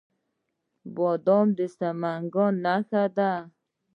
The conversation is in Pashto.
بادام د سمنګان نښه ده.